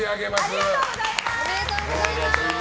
ありがとうございます。